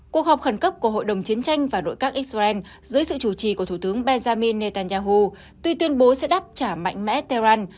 cuộc họp khẩn cấp của hội đồng chiến tranh và nội các israel dưới sự chủ trì của thủ tướng benjamin netanyahu tuy tuyên bố sẽ đáp trả mạnh mẽ tehran